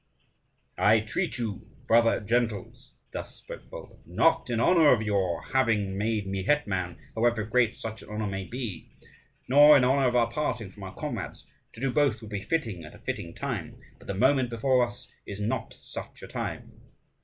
"I treat you, brother gentles," thus spoke Bulba, "not in honour of your having made me hetman, however great such an honour may be, nor in honour of our parting from our comrades. To do both would be fitting at a fitting time; but the moment before us is not such a time.